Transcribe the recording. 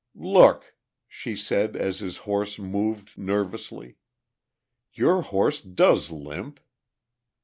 "Look," she said as his horse moved nervously. "Your horse does limp!"